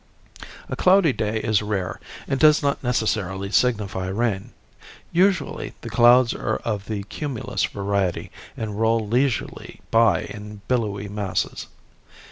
A cloudy day is rare and does not necessarily signify rain. Usually the clouds are of the cumulus variety and roll leisurely by in billowy masses.